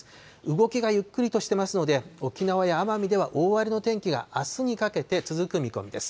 動きがゆっくりとしていますので、沖縄や奄美では大荒れの天気があすにかけて続く見込みです。